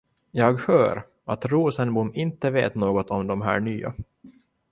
Jag hör, att Rosenbom inte vet något om de här nya.